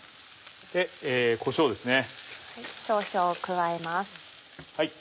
こしょうですね。